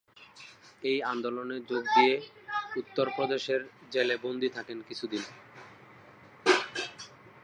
এই আন্দোলনে যোগ দিয়ে উত্তরপ্রদেশের জেলে বন্দী থাকেন কিছুদিন।